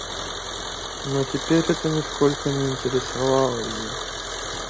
Но теперь это нисколько не интересовало ее.